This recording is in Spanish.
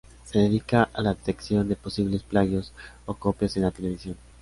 Se dedica a la detección de posibles plagios o copias en la televisión.